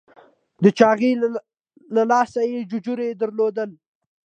د چاغي له لاسه یې ججوری درلود.